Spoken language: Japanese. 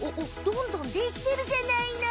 どんどんできてるじゃないの。